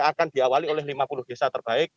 akan diawali oleh lima puluh desa terbaik